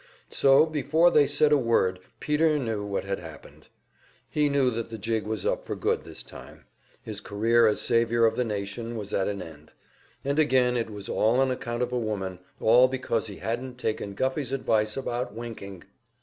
So before they said a word Peter knew what had happened. He knew that the jig was up for good this time; his career as savior of the nation was at an end. And again it was all on account of a woman all because he hadn't taken Guffey's advice about winking!